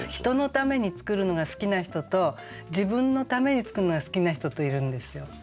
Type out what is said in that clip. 人のために作るのが好きな人と自分のために作るのが好きな人といるんですよ。